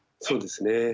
そうですね。